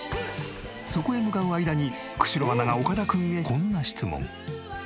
そこへ向かう間に久代アナが岡田君へこんな質問。